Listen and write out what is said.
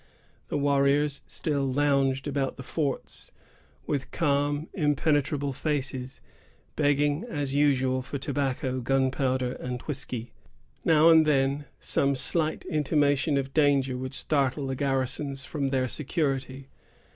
The warriors still lounged about the forts, with calm, impenetrable faces, begging, as usual, for tobacco, gunpowder, and whiskey. Now and then, some slight intimation of danger would startle the garrisons from their security.